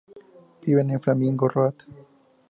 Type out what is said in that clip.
Viven en Flamingo Road.